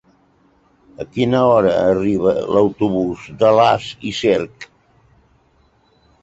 A quina hora arriba l'autobús d'Alàs i Cerc?